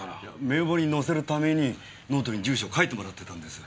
名簿に載せるためにノートに住所を書いてもらってたんです。